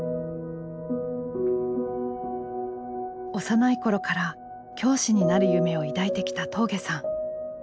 幼い頃から教師になる夢を抱いてきた峠さん。